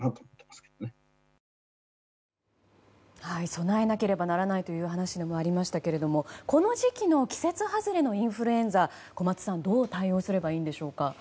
備えなければならないという話でもありましたがこの時期の季節外れのインフルエンザ小松さん、どう対応すればいいんでしょうか。